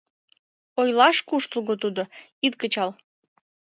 — Ойлаш куштылго тудо: ит кычал...